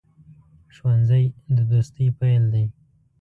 ښوونځی د دوستۍ پیل دی